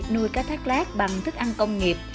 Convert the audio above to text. nuôi cá thác lát bằng thức ăn công nghiệp